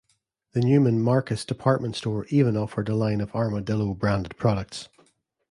The Neiman Marcus department store even offered a line of Armadillo-branded products.